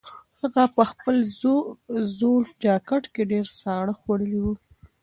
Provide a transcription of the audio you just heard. هغه په خپل زوړ جاکټ کې ډېر ساړه خوړلي وو.